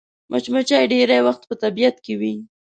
مچمچۍ ډېری وخت په طبیعت کې وي